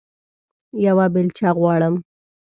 یوه بیلچه غواړم